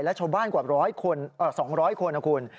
และชาวบ้านกว่า๒๐๐คนนะคุณ